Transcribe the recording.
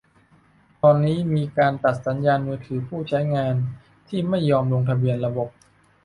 ตอนนี้มีการตัดสัญญาณมือถือผู้ใช้งานที่ไม่ยอมลงทะเบียนระบบ